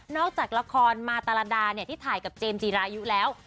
จากละครมาตรดาที่ถ่ายกับเจมส์จีรายุแล้ว